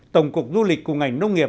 tổng cục du lịch cùng ngành nông nghiệp